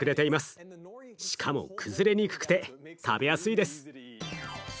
しかも崩れにくくて食べやすいです。